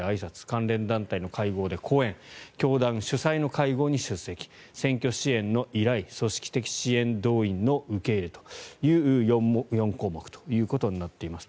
関連団体の会合で講演教団主催の会合に出席選挙支援の依頼組織的支援動員の受け入れの４項目となっています。